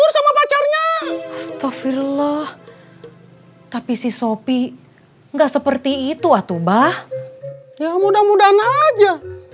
sampai jumpa di video selanjutnya